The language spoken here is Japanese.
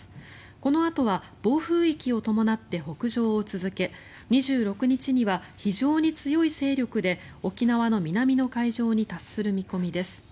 このあとは暴風域を伴って北上を続け２６日には非常に強い勢力で沖縄の南の海上に達する見込みです。